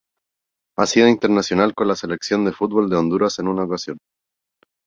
Ha sido internacional con la Selección de fútbol de Honduras en una ocasión.